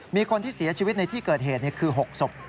มีคนที่เสียชีวิตในที่เกิดเหตุคือ๖ศพ